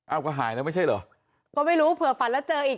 ก็หายแล้วไม่ใช่เหรอก็ไม่รู้เผื่อฝันแล้วเจออีก